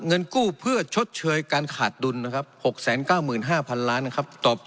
เงินกู้เพื่อชดเชยการขาดดุลนะครับหกแสนเก้าหมื่นห้าพันล้านนะครับ